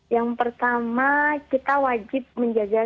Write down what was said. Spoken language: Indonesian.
yang pertama kita wajib menjaga